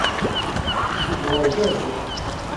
Deg uɣerbaz.